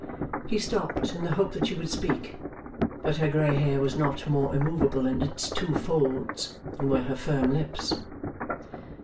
He stopped in the hope that she would speak. But her grey hair was not more immovable in its two folds, than were her firm lips.